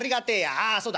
ああそうだ。